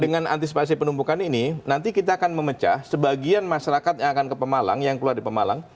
dengan antisipasi penumpukan ini nanti kita akan memecah sebagian masyarakat yang akan ke pemalang yang keluar di pemalang